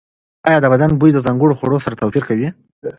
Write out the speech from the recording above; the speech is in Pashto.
ایا د بدن بوی د ځانګړو خوړو سره توپیر کوي؟